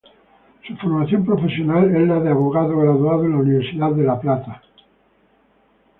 Su formación profesional es la de abogado, graduado en la Universidad de La Plata.